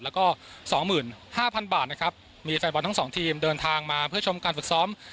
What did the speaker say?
แล้วก็๒๕๐๐บาทนะครับมีแฟนบอลทั้งสองทีมเดินทางมาเพื่อชมการฝึกซ้อม